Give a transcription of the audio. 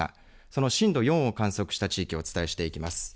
その震度４を観測した地域をお伝えしていきます。